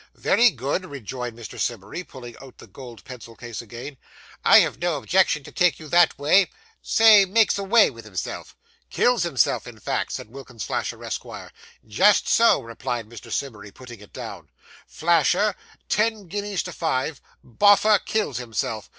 'Very good,' rejoined Mr. Simmery, pulling out the gold pencil case again. 'I've no objection to take you that way. Say, makes away with himself.' 'Kills himself, in fact,' said Wilkins Flasher, Esquire. 'Just so,' replied Mr. Simmery, putting it down. '"Flasher ten guineas to five, Boffer kills himself."